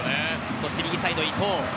そして右サイド、伊東。